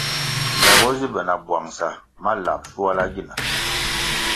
Me bo zi be na bwangʼsa ma lab shuala gina.